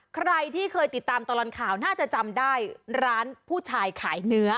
ใครที่เคยติดตามตลอดข่าวน่าจะจำได้ร้านผู้ชายขายเนื้อ